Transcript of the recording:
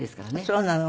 そうなの。